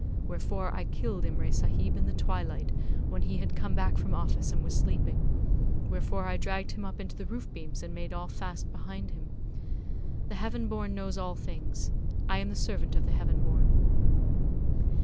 Wherefore I killed Imray Sahib in the twilight, when he had come back from office, and was sleeping. Wherefore I dragged him up into the roof beams and made all fast behind him. The Heaven born knows all things. I am the servant of the Heaven born.